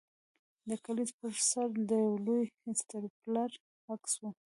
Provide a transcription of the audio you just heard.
د کلیزې پر سر د یو لوی سټیپلر عکس و